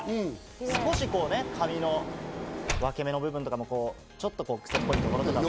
少し髪の分け目の部分とかも、ちょっとクセっぽいところとかが。